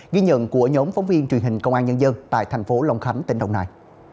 ghi nhận của nhóm phóng viên truyền hình công an nhân dân tại thành phố long khánh tỉnh đồng nai